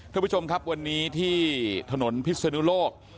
ท่านผู้ชมครับวันนี้ที่ถนนพิศนุโลก